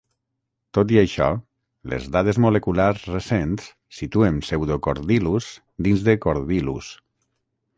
Tot i això, les dades moleculars recents situen "Pseudocordylus" dins de "Cordylus".